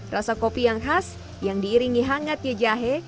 rasa kopi yang khas yang diiringi hangatnya jahe